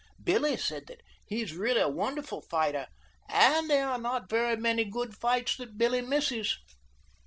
Billy said that he is really a wonderful fighter, and there are not very many good fights that Billy misses.